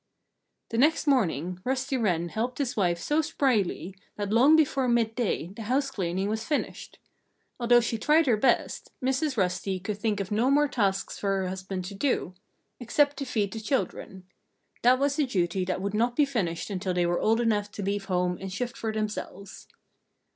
The next morning Rusty Wren helped his wife so spryly that long before midday the house cleaning was finished. Although she tried her best, Mrs. Rusty could think of no more tasks for her husband to do except to feed the children. That was a duty that would not be finished until they were old enough to leave home and shift for themselves.